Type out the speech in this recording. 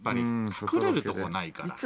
隠れるとこないから。